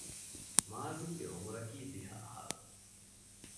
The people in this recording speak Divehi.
މާޒިންގެ އުމުރަކީ ދިހަ އަހަރު